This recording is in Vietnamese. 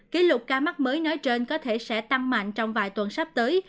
kỷ lục ca mắc mới nói trên có thể sẽ tăng mạnh trong vài tuần sắp tới